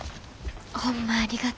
ホンマありがとう。